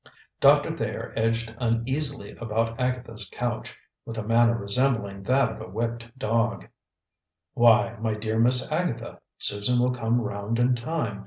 Doctor Thayer edged uneasily about Agatha's couch, with a manner resembling that of a whipped dog. "Why, my dear Miss Agatha, Susan will come round in time.